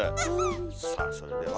さあそれでは。